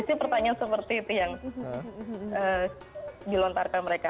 itu pertanyaan seperti itu yang dilontarkan mereka